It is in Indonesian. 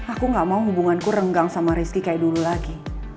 aku gak mau hubunganku renggang sama rizky kayak dulu lagi